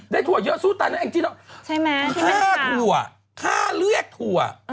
ได้ถั่วเยอะสู้ตายนั้นจริงอ่ะค่าถั่วค่าเลี้ยงถั่ว